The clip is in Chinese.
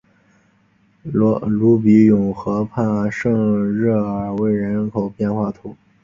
鲁比永河畔圣热尔韦人口变化图示